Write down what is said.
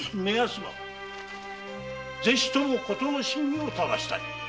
ぜひともことの真偽を糺したい。